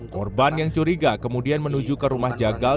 korban yang curiga kemudian menuju ke rumah jagal